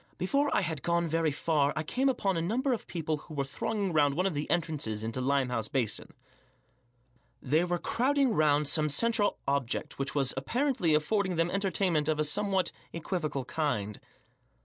Before I had gone very far I came upon a number of people who were thronging round one of the entrances into Limehouse Basin. They were crowding round some central object which was apparently affording them entertainment of a somewhat equivocal kind.